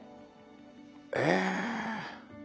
ええ！